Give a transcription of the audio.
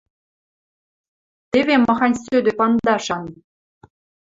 Теве, махань сӧдӧй пандашан!